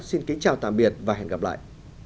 xin kính chào tạm biệt và hẹn gặp lại